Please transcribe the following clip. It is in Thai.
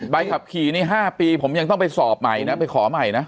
ใบขับขี่นี่๕ปีผมยังต้องไปสอบใหม่นะไปขอใหม่นะ